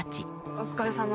お疲れさま。